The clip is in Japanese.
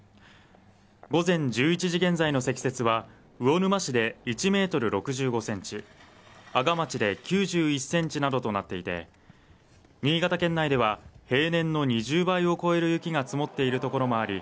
午前１１時現在の積雪は魚沼市で１メートル６５センチ阿賀町で９１センチなどとなっていて新潟県内では平年の２０倍を超える雪が積もっている所もあり